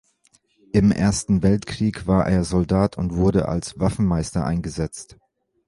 Im Ersten Weltkrieg war er Soldat und wurde als Waffenmeister eingesetzt.